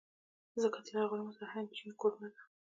مځکه د لرغوني مصر، هند، چین کوربه ده.